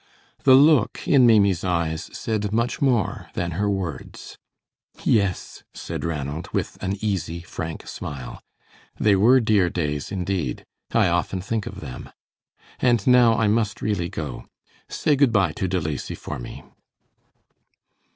The look in Maimie's eyes said much more than her words. "Yes," said Ranald, with an easy, frank smile; "they were dear days, indeed; I often think of them. And now I must really go. Say good by to De Lacy for me."